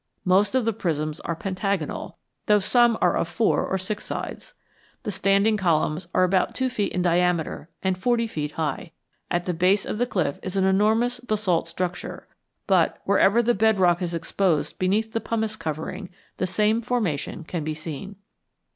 Most of the prisms are pentagonal, though some are of four or six sides. The standing columns are about two feet in diameter and forty feet high. At the base of the cliff is an enormous basalt structure, but, wherever the bed rock is exposed beneath the pumice covering, the same formation can be seen."